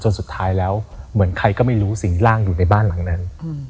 สุดท้ายแล้วเหมือนใครก็ไม่รู้สิ่งร่างอยู่ในบ้านหลังนั้น